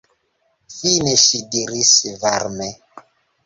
Fine ŝi diris varme: